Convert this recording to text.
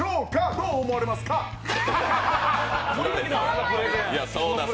どう思われますかっ！